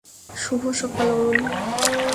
শুভ সকাল, অরুণ।